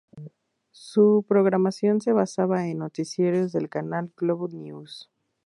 Su programación se basaba en noticiarios del canal Globo News.